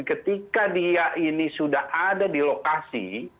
ketika dia ini sudah ada di lokasi